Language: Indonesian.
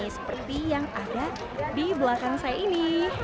seperti yang ada di belakang saya ini